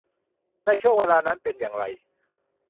ในช่วงเวลานั้นเป็นอย่างไร